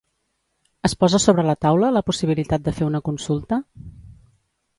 Es posa sobre la taula la possibilitat de fer una consulta?